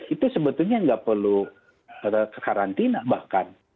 itu sebetulnya nggak perlu karantina bahkan